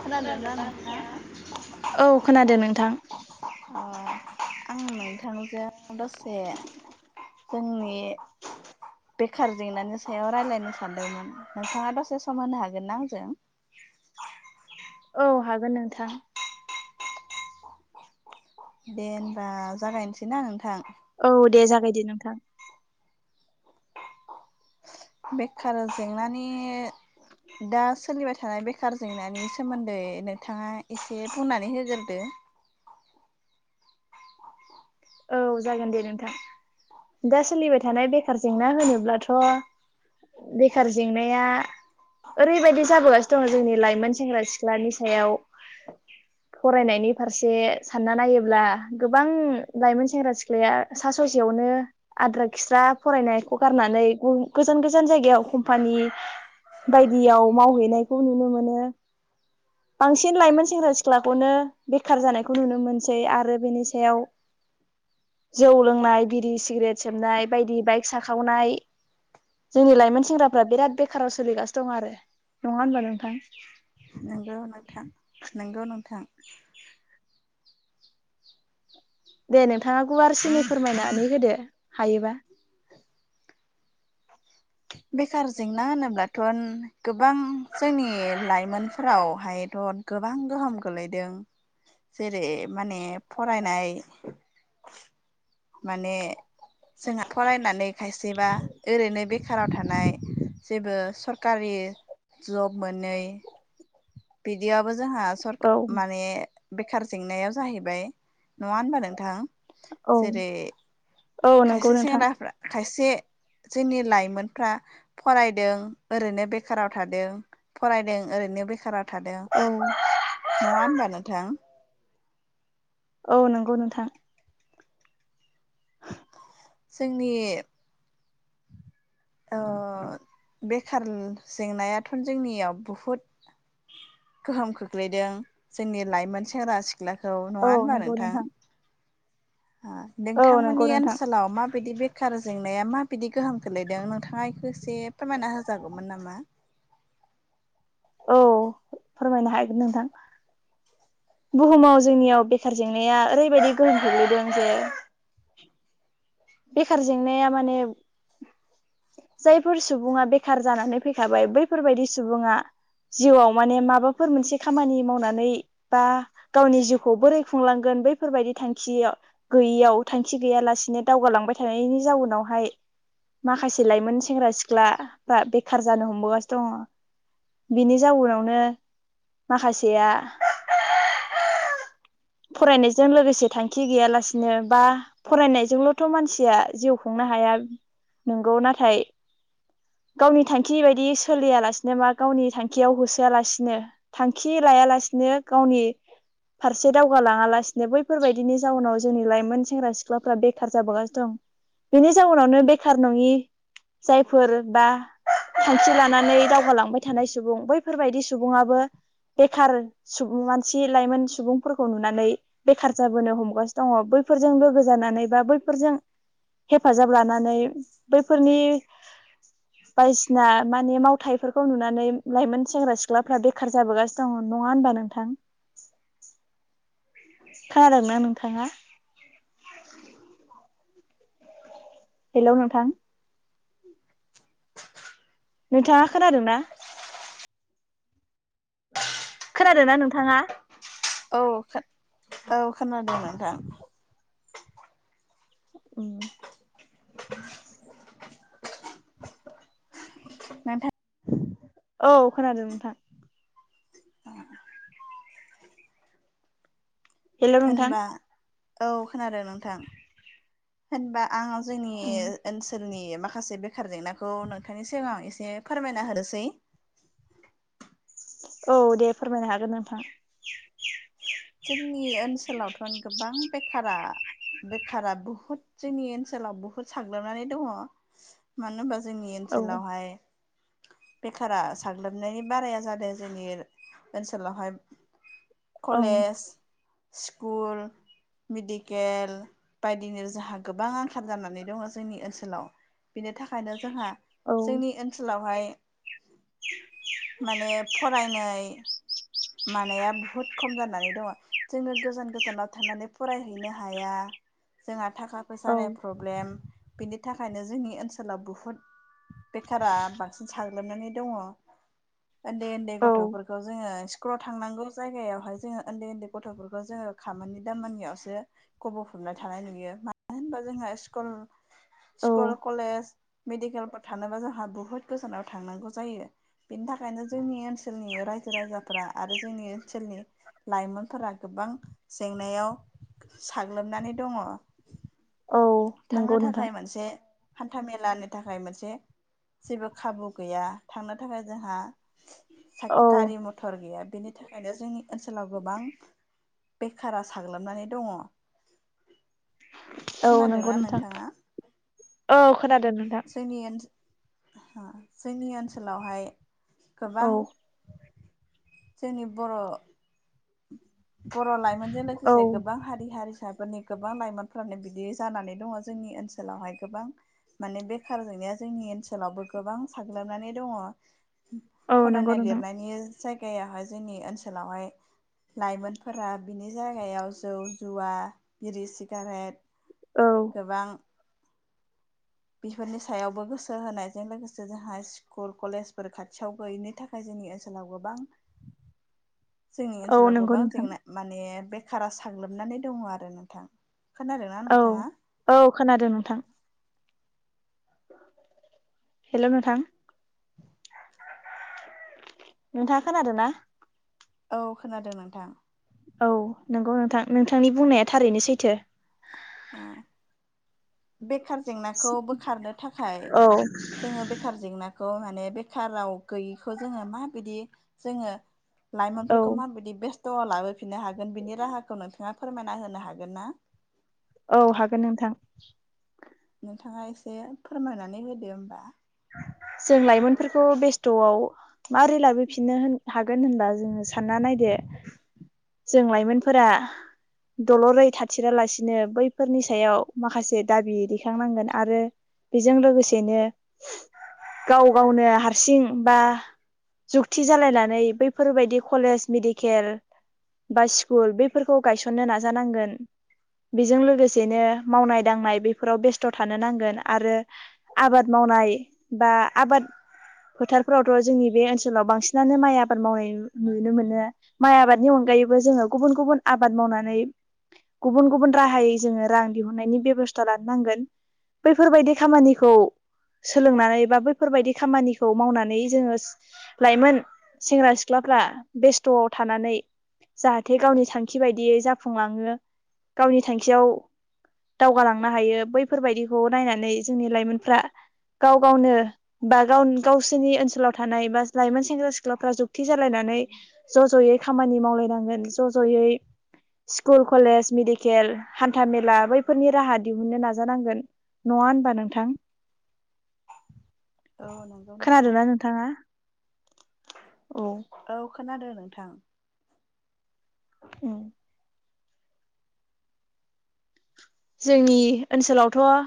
खोनादोंना नोंथां? औ खोनादों नोंथां। अ आं नोंथांजों दसे जोंनि बेखार जेंनानि सायाव रायज्लायनो सानदोंमोन नोंथाङा दसे सम होनो हागोनना आंजों? औ हागोन नोंथां। दे हबा जागायनोसैनाा नोंथां औ दे जागाय दे नोंथां बेखार जेंनानि दा सोलिबाय थानाय बेखार जेंनानि सोमोन्दै नोंथाङा एसे बुंनानै होग्रोदो औ जागोन दे नोंथां दा सोलिबाय थानाय बेखार जेंना होनोब्लाथ' बेखार जेंनाया ओरैबायदि जाबोगासिनो दङ' जोंनि लाइमोन सेंग्रा सिख्लानि सायाव फरायनायनि फारसे सानना नायोब्ला गोबां लाइमोन सेंग्रा सिख्लाया सा ससेयावनो आद्रा खिस्रा फरायनायखौ गारनानै गोजान गोजान जायगायाव कम्पानि बायदियाव मावहैनायखौ नुनो मोनो [inaudible] बांसिन लाइमोन सेंग्रा सिख्लाखौनो बेखार जानायखौ नुनो मोनसै आरो बेनि सायाव। जौ लोंनाय बिरि सिगारेट सोमनाय बायदि बाइक साखावनाय जोंनि लाइमोन सेंग्राफ्रा बिराद बेखाराव सोलिगासिनो दं आरो नङा होनबा नोंथां। नंगौ नोंथां नंगौ नोंथां दे नोंथाङा गुवारसिनि फोरमायनानै होदो हायोबा। बेखार जेंना होनोब्लाथ' गोबां जोंनि लाइमोनफोरावहायथ' गोबां गोहोम गोलैदों जेरै माने फरायनाय माने जोंहा फरायनानै खायसेबा ओरैनो बेखाराव थानाय जेबो सरकारि जब मोनै बिदिाबबो जोंहा सर औ माने बेखार जेंनायाव जाहैबाय नङा होनबा नोंथां जेरै औ नंगौ खायसे नोंथां सेंग्राफ्रा खायसे जोंनि लाइमोनफ्रा। फरायदों ओरैनो बेखाराव थादों फरायदों ओरैनो बेखाराव थादों औ नङा होनबा नोंथां औ नंगौ नोंथां। जोंनि बेखार जेंनायाथ' जोंनियाव बुहुद गोहोम खोख्लैदों जोंनि लाइमोन सेंग्रा सिख्लाखौ नङा औ होनबा नंगौ नोंथां औ नंगौ नोंथांमोननि नोंथां ओनसोलाव माबायदि बे सोरखार जेंनाया माबायदि गोहोम खोलैदों नोंथाङाखौ एसे फोरमायना होजागौमोन नामा औ फोरमायनो हगोन नोंथां बुहुमाव जोंनियाव बेखार जेंनाया ओरैबायदि गोहोम गोग्लैदों जे बेखार जेंनाया माने जायफोर सुबुङा बेखार जानानै फैखाबाय बैफोरबायदि सुबुङा जिउआव माने माबाफोर मोनसे खामानि मावनानै। बा गावनि जिउखौ बोरै खुंलांगोन बैफोरबायदि थांखियाव गैयियाव थांखि गैयालासेनो दावगालांबाय थानायनि जाउनावहाय माखासे लाइमोन सेंग्रा सिख्लाफ्रा बेखार जानो हमबोगासिनो दङ बिनि जाउनावनो माखासेया फरायनायजों लोगोसे थांखि गैयालासिनो बा फरायनायजोंल' थ' मानसिया जिउ खुंनो हाया नंगौ नाथाय गावनि थांखि बायदि सोलियालासिनो बा गावनि थांखियाव होसोआलासिनो थांखि लायालासिनो गावनि फारसे दावगालाङा लासिनो बैफोरबायाददिनि जाउनाव जोंनि लाइमोन सेंग्रा सिख्लाफ्रा बे बेखार जाबोगासिनो दं बेनि जाउनावनो बेखार नङि जायफोर बा सानस्रि लानानै दावगालांबाय थानाय सुबुं बैफोरबायदि सुबुाबो बेखार मानसि लाइमोन सुबुंफोरखौ नुनानै बेखार जाबोनो हमगासिनो दङ बैफोरजों लोगो जानानै बा बैफोरजों हेफाजाब लानानै बैफोरनि [unintelligible] [inaudible] बायदिसिना माने मावथायाइफोरखौ नुनानै लाइमोन सेंग्रा सिख्लाफ्रा बेखार जाबोगासिनो मोजां मोन नङा होनोमबा नोंथां? खोनादोंना नोंथाङा हेल' नोंथां नोंथाङा खोनादों ना खोनादोंा नोंथाङा औ औ खोनादोंमोन नोंथां उम [unintelligible] [inaudible] नोंथां औ खोनादों नोंथां। हेलौ नोंथां होनबा औ खोनादों नोंथां होनबा आं जोंनि ओनसोलनि माखासे बेखार जेंनाखौ नोंथांनि सिगां एसे फोरमायना होनोसै औ दे फोरमायनो हागोन नोंथां। जोंनि ओनसोलावथ' गोबां बेखारा बेखारा बुहुद जोंनि ओनसोलाव बुहुत साग्लोबनानै दङ मानो होनबा जोंनि औ ओनसोलावहाय बेखारा साग्लोबनायनि बाराया जादों जोंनि ओनसोलावहाय औ कलेज स्कुल मेडिकेल बायदिनो जोंहा गोबां आंखाल जानानै दङ जोंनि ओनसोलाव बिनि थाखाय नो जोंहा औ जोंनि ओनसोलावहाय माने फरायनाय मानाया बुहुद खम जानानै दंङ। जोङो गोजान गोजानाव थांनानै फरायहैनो हाया जोंहा थाखा औ फैसानि प्रब्लेम बिनि थाखायनो जोंनि ओनसोलाव बुहुद बेखारा बांसिन साग्लोबनानै दङ उन्दै उन्दै औ गथ'फोरखौ जोङो स्कुलाव थांनांगौ जायगायावहाय जोङो उन्दै उन्दै गथ'फोरखौ जोङो खामानिानि दामानिनियावसो खबफबनाय थानाय नुयो मानो होनबा जोंहा स्कुल औ स्कुल कलेज मेडिकेलफोराव थानोबा जोंहा बुहुत गोजानाव थांनांगौ जायो। बेनि थाखायनो जोंनि ओनसोलनि रायजो राजा फ्रा आरो जोंनि ओनसोलनि लाइमोनफ्रा गोबां जेंनायाव साग्लोबनानै दङ औ नंगौ थांनो नोंथां थाखाय मोनसे हान्था मेलानि थाखाय मोनसे जेबो खाबु गैया थांनो थाखाय जोंहा औ गारि मथर गैया बेनि थाखायनो जोंनि ओनसोलाव गोबां बेखारा साग्लोबनानै दङ। औ नंगौ खोनादोंना नोंथां नोंथाङा? औ खोनादों नोंथां जोंनि ओ जोंनि ओनसोलावहाय औ गोबां जोंनि बर' बर' लाइमोनजों औ लोगोसे गोबां हारि हारिसाफोरनि गोबां लाइमोनफ्रानो बिदि जानानै दङ जोंनि ओनसोलावहाय गोबां माने बेखार जोंनाया जोंनि ओनसोलावबो गोबां साग्लोबनानै दंङ। औ नंगौ फरायनाय नोंथां लिरनायनि जायगायावाहाय जोंनि ओनसोलावहाय लाइमोनफोरा बिनि जायगायाव जौ जुवा बिरि सिगारेट औ गोबां बेफोरनि सायावबो गोसो होनायजों लोगोसे जोंहा स्कुल कलेजफोर खाथियाव गैयिनि थाखाय हाजोनि ओनसोलाव गोबां जोंनि औ ओनसोलाव नंगौ गोबां नोंथां जेंना माने बेखारा साग्लोबनानै दङ आरो नोंथां खोनादोंना औ नोंथाङा औ खोनादों नोंथां हेलौ नोंथां [inaudible] नोंथाङा खोनादों ना औ खोनादों नोंथा। औ नंगौ नोंथां नोंथांनि बुंनाया थारैनो सैथो। ओम बेखार जेंनाखौ बोखारनो थाखाय औ जोङो बेखार जेंनाखौ खौ माने बेखाराव गैयैखौ जोङो माबायदि जोङो औ लाइमोनफोरखौ माबायदि बेस्थ' लाबोफिननो हागोन बिनि राहाखौ नोंथाङा फोरमायना होनो हागोन ना? औ हागोन नोंथां नोंथाङा एसे फोरमायनानै होदो होमबा जों लाइमोनफोरखौ बेस्थ'आव मारै लाबोफिननो होन हागोन होनबा जोङो सानना नायदो जों लाइमोनफोरा दलरै थाथेरालासिनो बैफोरनि सायाव माखासे दाबि दैखांनांगोन आरो बेजों लोगोसेनो गाव गावनो हारसिं बा जुकति जालायनानै बैफोरबायदि कलेज मेडिकेल बा स्कुल बेफोरखौ गायसननो नाजानांगोन बेजों लोगोसेनो मावनाय दांनाय बेफोराव बेस्थ' थानो नांगोन आरो आबाद मावनाय बा आबाद फोथारफोरावथ' जोंनि बे ओनसोलाव बांसिन नानो माइ आबाद मावनाय नुनो मोनो। माइ आबादनि अनगायैबो जोंङो गुबुन गुबुन आबाद मावनानै गुबुन गुबुन राहायै जोंङो रां दिहुननायनि बेब'स्था लानो नांगोन। बैफोरबायदि खामानिखौ सोलोंनानै बा बैफोरबायाददि खामानिखौ मावनानै जोंङो लाइमोन सेंग्रा सिख्लाफ्रा बेस्थ'आव थानानै जाहाथे गावनि थांखि बायदियै जाफुंलाङो गावनि थांखियाव दावगालांनो हायो बैफोरबायदिखौ नायनानै जोंनि लाइमोनफ्रा गाव गावनो बा गाव गावसोरनि ओनसोलाव थानाय बा लाइमोन सेंग्रा सिख्लाफ्रा जुगति जालायनानै ज' ज'यै खामानि मावलायनांगोन ज' ज'यै स्कुल कलेज मेडिकेल हान्थामेला बैफोरनि राहा दिहुननो नाजानांगोन। नङा होनबा नोंथां औ नंगौ नोंथां खोनादोंना नोंथाङा औ औ खोनादो नोंथां अम जोंनि ओनसोलावथ'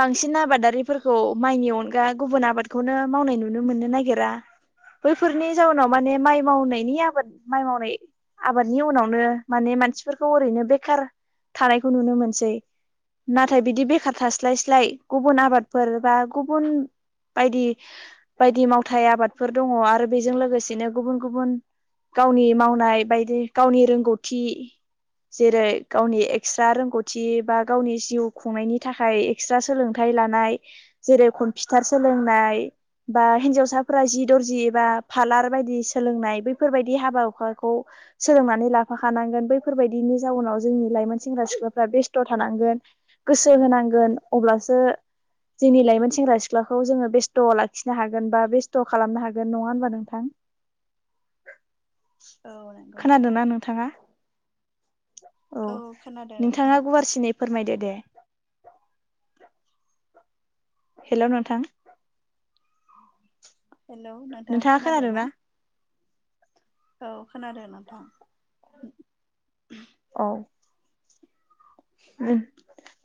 बांसिन आबादारिफोरखौ माइनि अनगा गुबुन आबादखौनो मावनाय नुनो मोननो नागिरा। बैफोरनि जाउनाव माने माइ मावनायनि आबाद माइ मावनाय आबादनि उनावनो माने मानसिफोरखौ ओरैनो बेखार थानायखौ नुनो मोन सै नाथाय बिदि बेखार थास्लायस्लाय गुबुन आबादफोर बा गुबुन बायदि बायदि मावथाय आबादफोर दङ आरो बेजों लोगोसेनो गुबुन गुबुन गावनि मावनाय बायदि गावनि रोंगौथि जेरै गावनि एक्सट्रा रोंगौ थि बा गावनि जिउ खुंनायनि थाखाय एक्सट्रा सोलोंथाइ लानाय जेरै कम्पिउटार सोलोंनाय बा हिन्जावसाफोरा जि दरजि एबा फालार बायदि सोलोंनाय बैफोरबायदि हाबा हुखाखौ सोलोंनानै लाफाखानांगोन बैफोरबायदिनि जाउनाव जोंनि लाइमोन सेंग्रा सिख्ला बेस्थ' थानांगोन गोसो होनांगोन अब्लासो जोंनि लाइमोन सेंग्रा सिख्लाखौ जोङो बेस्थ' लाखिनो हागोन बा बेस्थ' खालामनो हागोन नङा होनबा नोंथां [inaudible] औ नंगौ नोंथां खोनादोंना नोंथाङा औ खोनादों नोंथां नोंथाङा गुवारसिनै फोरमायदो दे हेलौ नोंथां हेलौ नोंथां खोनादों ना औ खोनादो नोंथां औ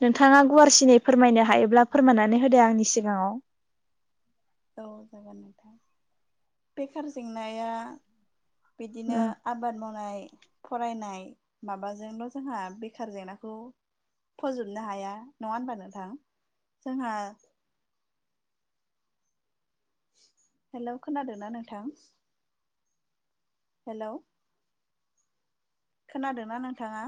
नोंथाङा गुवारसिनै फोरमायनो हायोब्ला फोरमायनानै होदो आंनि सिगाङाव औ जागोन नोंथां बेखार जेंनाया बिदिनो आबाद मावनाय फरायनाय माबाजोंल' जोंहा बेखार जेंनाखौ फोजोबनो हाया नङा होनबा नोंथां जोंहा हेल' खोनादोंना नोंथां हेल' खोनादोंना नोंथाङा